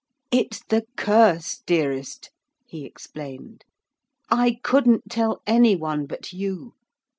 'It's the curse, dearest,' he explained, 'I couldn't tell any one but you.